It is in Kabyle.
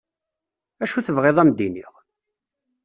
Acu tebɣiḍ ad am-d-iniɣ?